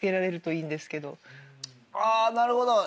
あなるほど！